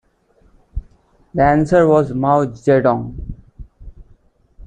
The answer was Mao Zedong.